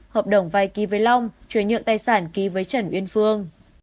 hợp đồng vay ký với long chuyển nhượng tài sản ký với trần uyên phương